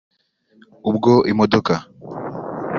ubw’imodoka